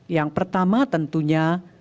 yang pertama tentunya